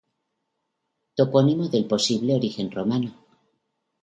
Topónimo de posible origen romano.